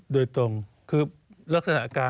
โดยตรงคือ